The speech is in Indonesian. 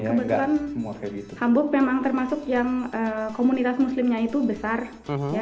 kebetulan hamburg memang termasuk yang komunitas muslimnya itu besar ya